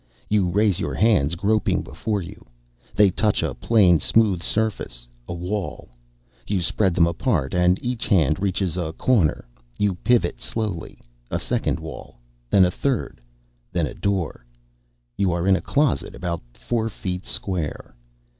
You raise your hands gropingly before you. They touch a plain smooth surface, a wall. You spread them apart and each hand reaches a corner. You pivot slowly. A second wall, then a third, then a door. You are in a closet about four feet square.